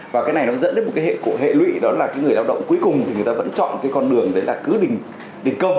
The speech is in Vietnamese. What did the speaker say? và cái này nó dẫn đến một hệ lụy đó là người lao động cuối cùng thì người ta vẫn chọn cái con đường đấy là cứ đình công